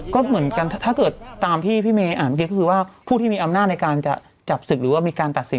ก็เหมือนกันถ้าเกิดตามที่พี่เมย์อ่านเมื่อกี้ก็คือว่าผู้ที่มีอำนาจในการจะจับศึกหรือว่ามีการตัดสิน